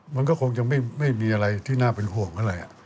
มันก็คงจะไม่มีอะไรที่น่าเป็นห่วงเท่าไหร่